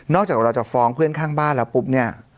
จากเราจะฟ้องเพื่อนข้างบ้านแล้วปุ๊บเนี่ย